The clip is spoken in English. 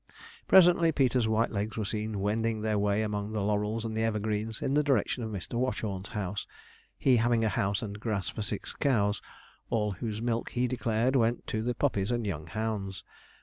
Presently Peter's white legs were seen wending their way among the laurels and evergreens, in the direction of Mr. Watchorn's house; he having a house and grass for six cows, all whose milk, he declared, went to the puppies and young hounds.